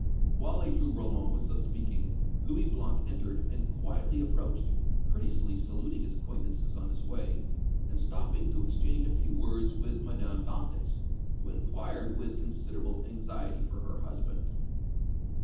While Ledru Rollin was thus speaking, Louis Blanc entered and quietly approached, courteously saluting his acquaintances on his way, and stopping to exchange a few words with Madame Dantès, who inquired with considerable anxiety for her husband.